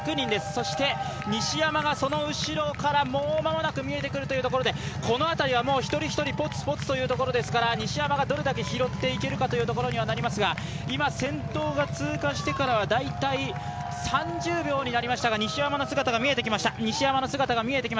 そして西山がその後ろからもうまもなく見えてくるというところでこの辺りは一人一人ぽつぽつというところですから、西山がどれだけ拾っていけるかというところになりますが先頭が通過してから大体、３０秒になりましたが西山の姿が見えてきました。